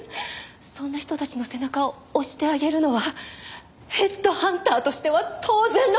そんな人たちの背中を押してあげるのはヘッドハンターとしては当然の事じゃないかしら。